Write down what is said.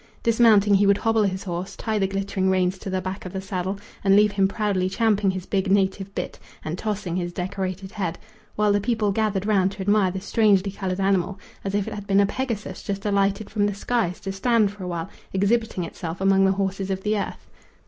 Dismounting, he would hobble his horse, tie the glittering reins to the back of the saddle, and leave him proudly champing his big native bit and tossing his decorated head, while the people gathered round to admire the strangely coloured animal as if it had been a Pegasus just alighted from the skies to stand for a while exhibiting itself among the horses of the earth.